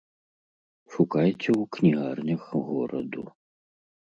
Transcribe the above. Шукайце ў кнігарнях гораду.